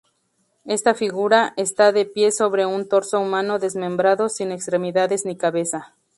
Esta figura está de pie sobre un torso humano desmembrado, sin extremidades ni cabeza.